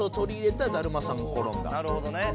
なるほどね。